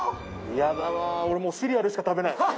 嫌だな、もう俺、シリアルしか食べない。